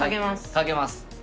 賭けます。